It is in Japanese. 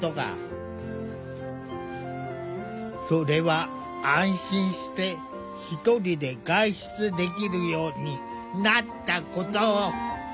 それは安心して一人で外出できるようになったこと。